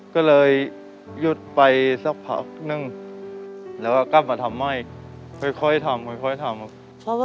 ก็เลยหยุดไปสักพักหนึ่งแล้วก็มาทำไม่ค่อยถาม